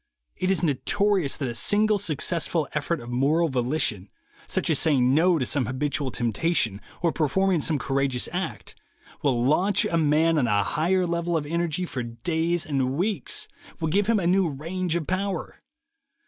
... It is notorious that a single successful effort of moral volition, such as saying 'no' to some habitual temptation, or per forming some courageous act, will launch a man on a higher level of energy for days and weeks, will give him a new range of power.